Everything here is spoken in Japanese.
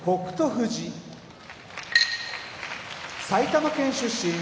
富士埼玉県出身